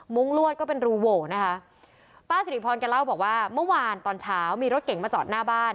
ลวดก็เป็นรูโหวนะคะป้าสิริพรแกเล่าบอกว่าเมื่อวานตอนเช้ามีรถเก๋งมาจอดหน้าบ้าน